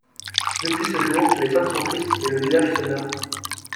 Depuis ce jour, les femmes sont tristes et le village se meurt.